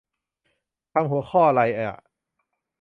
ทำหัวข้อไรอ่ะ